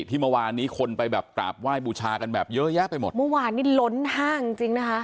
ที่เมื่อวานนี้คนไปแบบกราบไหว้บูชากันแบบเยอะแยะไปหมดเมื่อวานนี้ล้นห้างจริงจริงนะคะ